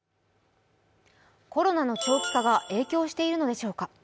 コロナの長期化が影響しているのでしょうか。